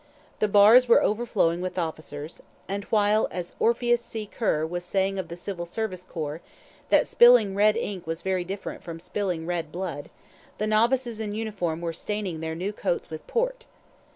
The bars were overflowing with officers, and while, as "Orpheus C. Kerr" was saying of the civil service corps, that spilling red ink was very different from spilling red blood, the novices in uniform were staining their new coats with port.